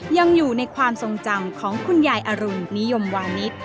ยังอยู่ในความทรงจำของคุณยายอรุณนิยมวานิส